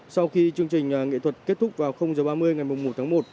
sau khi chương trình nghệ thuật kết thúc vào h ba mươi ngày một mươi một tháng một